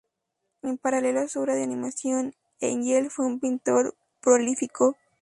En paralelo a su obra de animación, Engel fue un pintor prolífico.